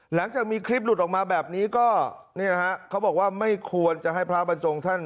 หลังจากมีคลิปหลุดออกมาแบบนี้ก็เนี่ยนะฮะเขาบอกว่าไม่ควรจะให้พระบรรจงท่าน